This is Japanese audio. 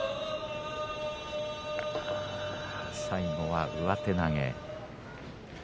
最後は上手投げ。